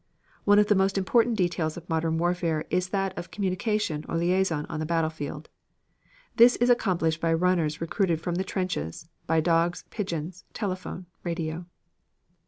One of the most important details of modern warfare is that of communication or liaison on the battlefield. This is accomplished by runners recruited from the trenches, by dogs, pigeons, telephone, radio.